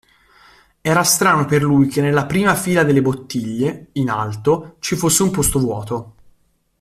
Era strano per lui che nella prima fila delle bottiglie, in alto, ci fosse un posto vuoto.